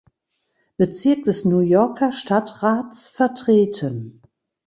Bezirk des New Yorker Stadtrats vertreten.